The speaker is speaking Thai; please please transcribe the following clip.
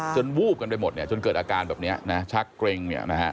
จนวูบกันไปหมดจนเกิดอาการแบบนี้ชักเกรง